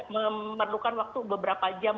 memerlukan waktu beberapa jam